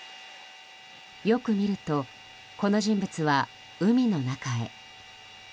よく見るとこの人物は海の中へ。